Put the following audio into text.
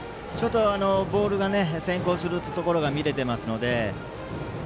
ボールが先行するところが見れていますね。